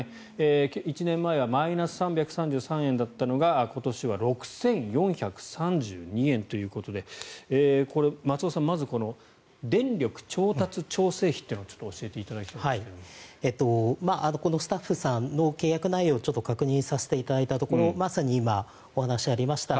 １年前はマイナス３３３円だったのが今年は６４３２円ということでこれ、松尾さん電力調達調整費というのをスタッフさんの契約内容をちょっと確認させていただいたところまさに今、お話がありました